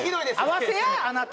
合わせやあなた！